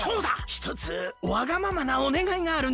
ひとつわがままなおねがいがあるんですが。